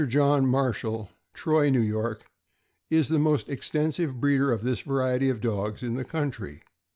John Marshall, Troy, N. Y., is the most extensive breeder of this variety of dogs in the country.